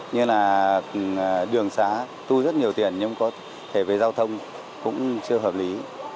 như là đường xá tu rất nhiều tiền nhưng có thể về giao thông cũng chưa hợp lý